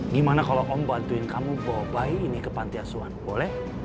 gimana kalo om bantuin kamu bawa bayi ini ke pantai asuhan boleh